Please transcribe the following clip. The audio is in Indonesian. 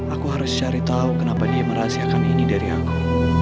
aku harus cari tahu kenapa dia merahasiakan ini dari aku